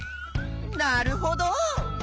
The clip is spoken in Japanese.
なるほど！